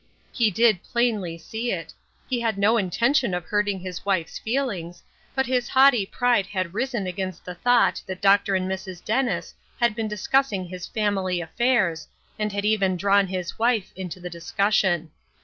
He did plainly see it ; he had no intention of hurting his wife's feelings, but his haughty pride had risen against the thought that Dr. and Mrs. Dennis had been discussing his family affairs, and had even drawn his wife into the discussion.